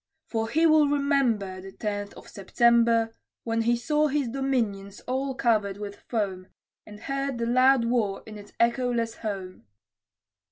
For he will remember, The Tenth of September, When he saw his dominions all covered with foam, And heard the loud war in its echoless home.